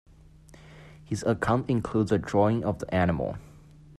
His account includes a drawing of the animal.